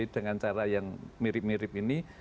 dengan cara yang mirip mirip ini